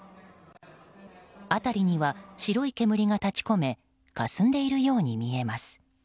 辺りには白い煙が立ち込めかすんでいるように見えます。